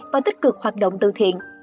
và tích cực hoạt động từ thiện